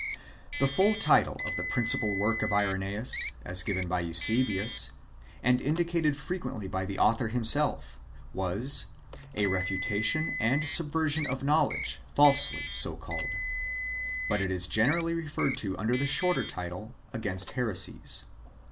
The full title of the principal work of Irenseus, as given by Eusebius (Hist. Eccl. v. 7), and indicated frequently by the author himself, was A Refutation and Subversion of Know ledge falsely so called, but it is generally referred to under the shorter title, Against Heresies.